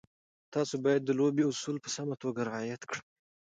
تاسو باید د لوبې اصول په سمه توګه رعایت کړئ.